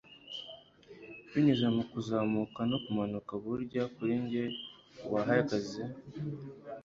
Binyuze mu kuzamuka no kumanuka burya kuri njye wahagaze